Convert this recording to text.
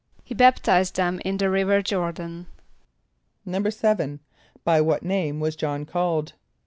=He baptized them in the river Jôr´dan.= =7.= By what name was J[)o]hn called?